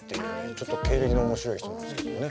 ちょっと経歴の面白い人なんですけどね。